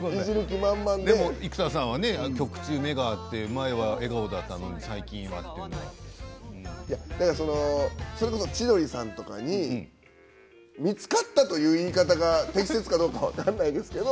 生田さんは曲中に目が合って前は笑顔だったけどそれこそ千鳥さんとかに見つかったという言い方が適切かどうか分からないですけれど